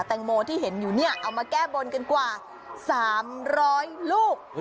แตงโมที่เห็นอยู่เนี่ยเอามาแก้บนกันกว่า๓๐๐ลูก